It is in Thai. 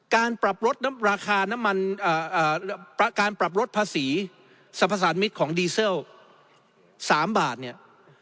การปรับลดภาษีสรรพสามิตของดีเซล๓บาทเนี่ย